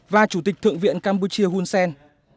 và chủ tịch thượng viện campuchia hunsen